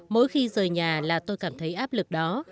mỗi khi rời nhà là tôi cảm thấy áp lực đó